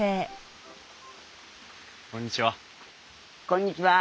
こんにちは。